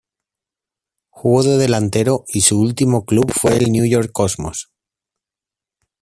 Jugó de delantero y su último club fue el New York Cosmos.